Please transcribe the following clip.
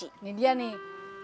ini dia nih